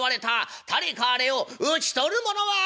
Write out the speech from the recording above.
誰かあれを討ち取る者はあらんや！」。